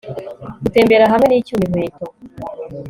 gutembera hamwe nicyuma inkweto